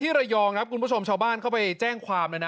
ระยองครับคุณผู้ชมชาวบ้านเข้าไปแจ้งความเลยนะ